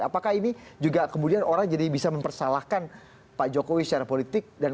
apakah ini juga kemudian orang jadi bisa mempersalahkan pak jokowi secara politik